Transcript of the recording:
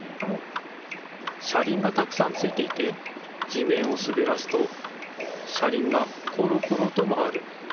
車りんがたくさんついていて地めんをすべらすと車りんがコロコロと回る。